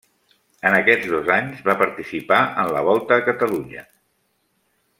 En aquests dos anys va participar en la Volta a Catalunya.